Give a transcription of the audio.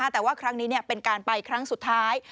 แต่ว่าครั้งนี้เป็นการไปครั้งสุดท้าย